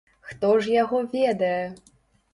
Хто ж яго ведае!